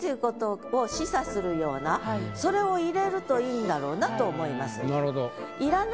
それを入れるといいんだろうなと思います。